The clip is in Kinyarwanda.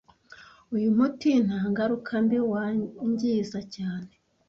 Uyu muti nta ngaruka mbi wangiza cyane